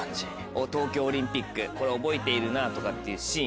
東京オリンピック覚えているなとかっていうシーン。